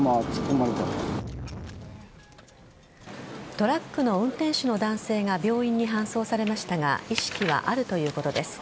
トラックの運転手の男性が病院に搬送されましたが意識はあるということです。